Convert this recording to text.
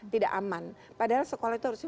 tidak aman padahal sekolah itu harusnya